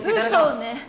嘘ね。